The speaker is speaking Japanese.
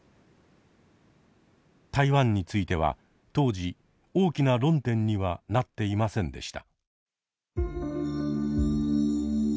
台湾については当時大きな論点にはなっていませんでした。